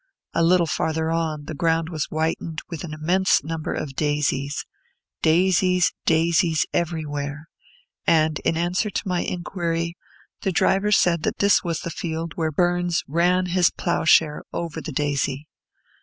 A little farther on, the ground was whitened with an immense number of daisies, daisies, daisies everywhere; and in answer to my inquiry, the driver said that this was the field where Burns ran his ploughshare over the daisy.